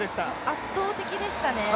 圧倒的でしたね。